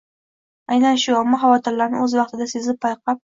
Aynan shu – omma xavotirlarini o‘z vaqtida sezib, payqab